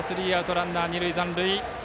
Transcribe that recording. ランナー、二塁で残塁。